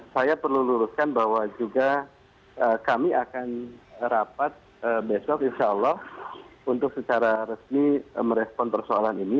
saya perlu luruskan bahwa juga kami akan rapat besok insya allah untuk secara resmi merespon persoalan ini